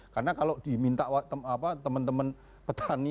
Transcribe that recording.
karena kalau diminta teman teman petani